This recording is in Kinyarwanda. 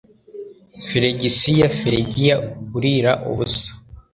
Flegisiya Feligiya urira ubusa